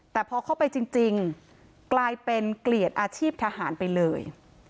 แต่พอเข้าไปจริงกลายเป็นเกลียดอาชีพทหารไปเลย